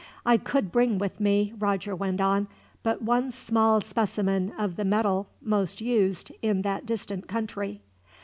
"I could bring with me," Roger went on, "but one small specimen of the metal most used in that distant country."